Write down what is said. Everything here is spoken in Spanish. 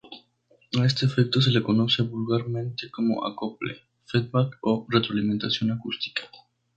A este efecto se le conoce vulgarmente como "acople", feedback o retroalimentación acústica.